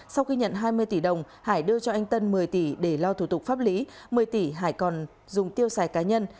sau khi nhận hai mươi tỷ đồng hải đưa cho anh tân một mươi tỷ để lo thủ tục pháp lý một mươi tỷ hải còn dùng tiêu xài cá nhân